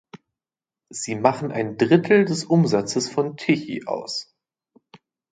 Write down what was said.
Sie machen ein Drittel des Umsatzes von Tichy aus.